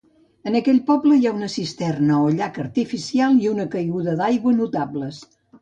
En aquest poble hi ha una cisterna o llac artificial i una caiguda d'aigua notables.